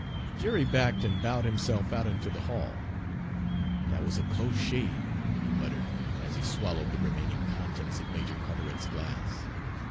Jerry backed and bowed himself out into the hall. "Dat wuz a close shave," he muttered, as he swallowed the remaining contents of Major Carteret's glass.